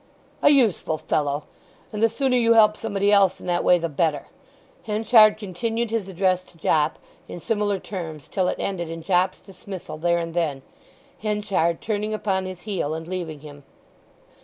"A useful fellow! And the sooner you help somebody else in that way the better!" Henchard continued his address to Jopp in similar terms till it ended in Jopp's dismissal there and then, Henchard turning upon his heel and leaving him.